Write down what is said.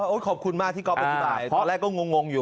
โอ้ยขอบคุณมากที่ก็อภัยตอนแรกก็งงอยู่